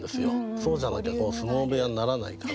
そうじゃなきゃ相撲部屋にならないから。